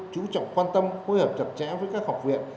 chú trọng quan tâm phối hợp chặt chẽ với các học viện